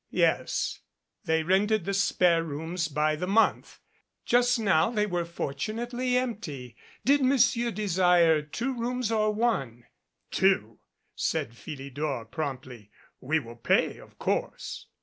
Yes, they rented the spare rooms by 173 MADCAP the month. Just now they were fortunately empty. Did Monsieur desire two rooms or one? "Two," said Philidor promptly. "We will pay of course."